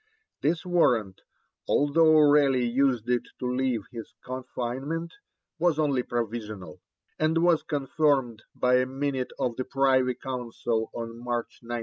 This warrant, although Raleigh used it to leave his confinement, was only provisional; and was confirmed by a minute of the Privy Council on March 19.